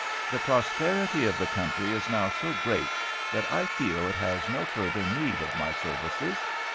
The prosperity of the country is now so great that I feel it has no further need of my services.